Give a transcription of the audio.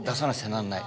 なんない。